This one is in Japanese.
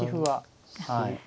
はい。